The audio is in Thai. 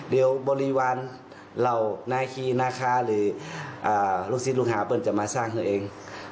เดี๋ยวบริวารเหล่านาคีนาคาหรือลูกศิษย์ลูกหาเปิ้ลจะมาสร้างตัวเอง